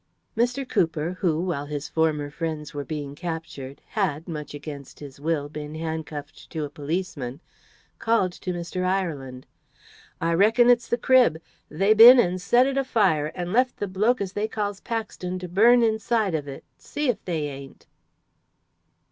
Mr. Cooper, who, while his former friends were being captured, had, much against his will, been handcuffed to a policeman, called to Mr. Ireland. "I reckon it's the crib. They been and set it afire, and left the bloke as they calls Paxton to burn inside of it. See if they ain't!"